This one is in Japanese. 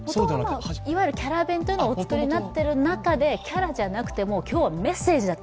いわゆるキャラ弁というのをお作りになっている中でキャラじゃなくて、今日はメッセージだと。